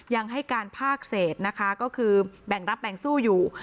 ยังให้การภาคเศษนะคะก็คือแบ่งรับแบ่งสู้อยู่